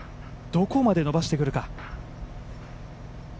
どこまで伸ばしてくるか。